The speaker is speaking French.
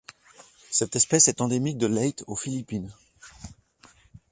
Cette espèce est endémique de Leyte aux Philippines.